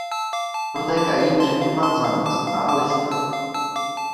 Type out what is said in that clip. Protékají jím řeky Manzanas a Aliste.